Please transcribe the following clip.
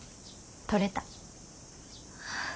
取れた。